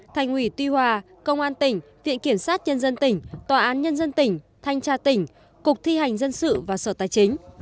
thành ủy tuy hòa công an tỉnh viện kiểm sát nhân dân tỉnh tòa án nhân dân tỉnh thanh tra tỉnh cục thi hành dân sự và sở tài chính